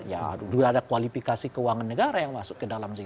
ya sudah ada kualifikasi keuangan negara yang masuk ke dalam situ